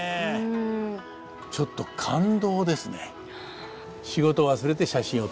ちょっと感動ですね。